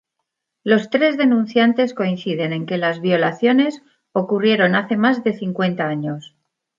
Los tres denunciantes coinciden en que las violaciones ocurrieron hace más de cincuenta años.